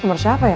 nomor siapa ya